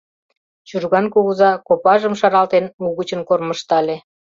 — Чужган кугыза, копажым шаралтен, угычын кормыжтале...